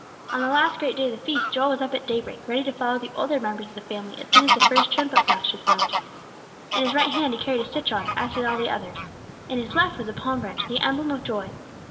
On the last great day of the feast, Joel was up at day break, ready to follow the older members of the family as soon as the first trumpet blast should sound. In his right hand he carried a citron, as did all the others; in his left was a palm branch, the emblem of joy.